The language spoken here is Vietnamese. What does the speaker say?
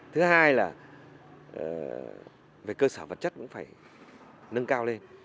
thứ hai là về cơ sở vật chất cũng phải nâng cao lên